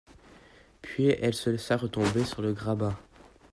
Puis elle se laissa retomber sur le grabat.